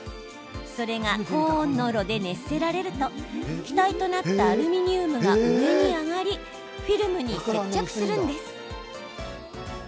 それが高温の炉で熱せられると気体となったアルミニウムが上に上がりフィルムに接着するんです。